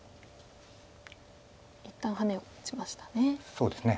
一旦ハネを打ちましたね。